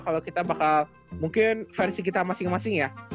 kalau kita bakal mungkin versi kita masing masing ya